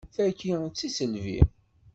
Tagi d tiselbi!